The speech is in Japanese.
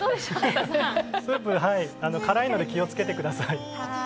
スープ、辛いので気を付けてください。